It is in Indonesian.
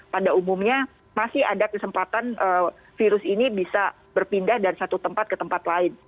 pada umumnya masih ada kesempatan virus ini bisa berpindah dari satu tempat ke tempat lain